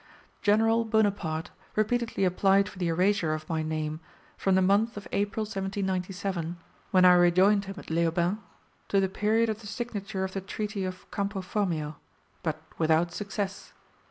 General Bonaparte repeatedly applied for the erasure of my name, from the month of April 1797, when I rejoined him at Leoben, to the period of the signature of the treaty of Campo Formio; but without success.